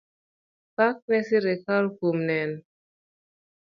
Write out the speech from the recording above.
Pak ne sirkal kuom neno.